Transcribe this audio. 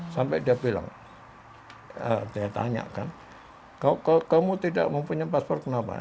sampai dia bilang dia tanyakan kamu tidak mempunyai paspor kenapa